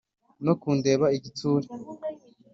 no kundeba igitsure